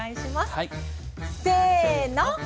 せの。